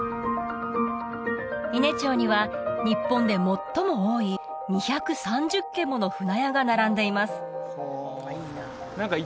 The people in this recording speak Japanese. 伊根町には日本で最も多い２３０軒もの舟屋が並んでいます